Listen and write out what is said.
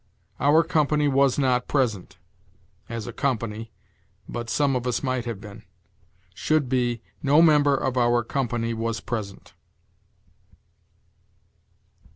"Our company was not present" (as a company, but some of us might have been), should be, "No member of our company was present."